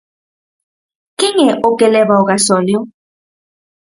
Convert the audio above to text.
Quen é o que leva o gasóleo?